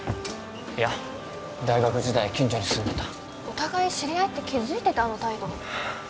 いや大学時代近所に住んでたお互い知り合いって気付いててあの態度？